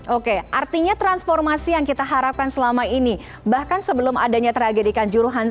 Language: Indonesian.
oke artinya transformasi yang kita harapkan selama ini bahkan sebelum adanya tragedi kanjuruhan